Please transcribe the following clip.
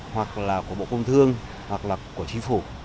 hoặc là của bộ công thương hoặc là của chính phủ